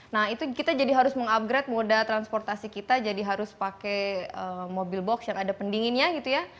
nah itu kita jadi harus mengupgrade moda transportasi kita jadi harus pakai mobil box yang ada pendinginnya gitu ya